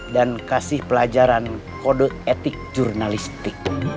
dan kasih pelajaran kode etik jurnalistik